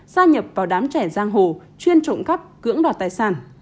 gia nhập vào đám trẻ giang hồ chuyên trộm cắp cưỡng đoạt tài sản